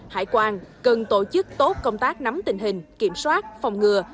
hải quan cần tổ chức tốt công tác nắm tình hình kiểm soát phòng ngừa